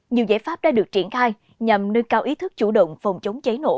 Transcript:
nhiều giải pháp đã được triển khai nhằm nâng cao ý thức chủ động phòng chống cháy nổ